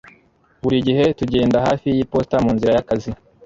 Buri gihe tugenda hafi yiposita munzira yakazi